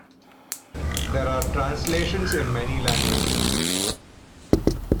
There are translations in many languages.